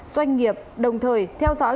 doanh nghiệp đồng thời theo dõi